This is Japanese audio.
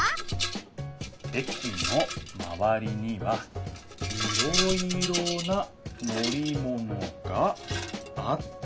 「駅のまわりにはいろいろな乗り物があった」。